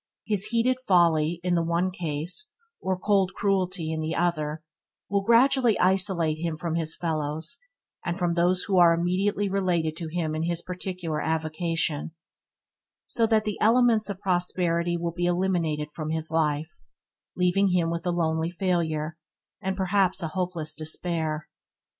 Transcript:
His heated folly in the one case, or cold cruelty in the other, will gradually isolate him from his fellows and from those who are immediately related to him in his particular avocation, so that the elements of prosperity will be eliminated from his life, leaving him with a lonely failure, and perhaps a hopeless despair.